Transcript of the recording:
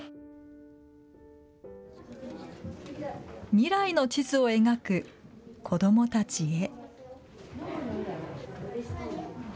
未来の地図を描く子どもたちへ。